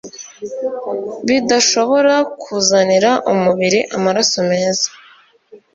bidashobora kuzanira umubiri amaraso meza